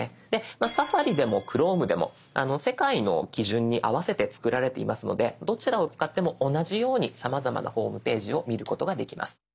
「Ｓａｆａｒｉ」でも「Ｃｈｒｏｍｅ」でも世界の基準に合わせて作られていますのでどちらを使っても同じようにさまざまなホームページを見ることができます。